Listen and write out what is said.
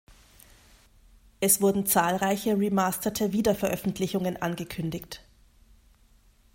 Es wurden zahlreiche remasterte Wiederveröffentlichungen angekündigt.